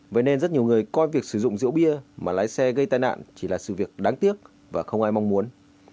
vậy nên rất nhiều người coi việc sử dụng rượu bia mà lái xe gây tai nạn chỉ là sự việc đáng tiếc và không ai mong muốn